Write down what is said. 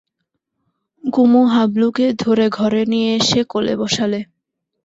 কুমু হাবলুকে ধরে ঘরে নিয়ে এসে কোলে বসালে।